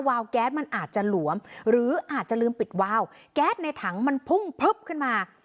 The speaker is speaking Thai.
วแก๊สมันอาจจะหลวมหรืออาจจะลืมปิดวาวแก๊สในถังมันพุ่งพลึบขึ้นมา